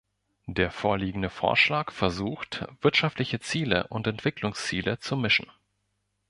Der vorliegende Vorschlag versucht, wirtschaftliche Ziele und Entwicklungsziele zu mischen.